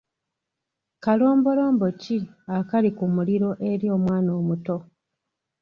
Kalombolombo ki akali ku muliro eri omwana omuto?